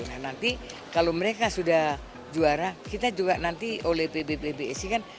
nah nanti kalau mereka sudah juara kita juga nanti oleh pb pbsi kan